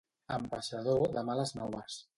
Ambaixador de males noves.